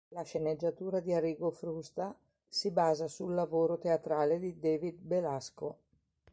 La sceneggiatura di Arrigo Frusta si basa sul lavoro teatrale di David Belasco.